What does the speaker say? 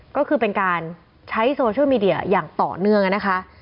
ก็คือเป็นการใช้โซเชียลมีเดียอย่างต่อเนื่องนะคะ